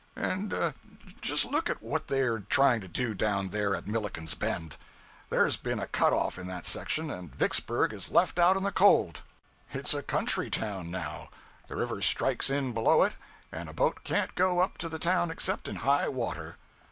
_ And just look at what they are trying to do down there at Milliken's Bend. There's been a cut off in that section, and Vicksburg is left out in the cold. It's a country town now. The river strikes in below it; and a boat can't go up to the town except in high water.